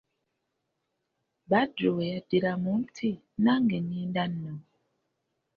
Badru we yaddiramu nti:"nange ngenda nno"